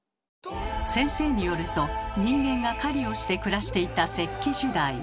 先生によると人間が狩りをして暮らしていた石器時代。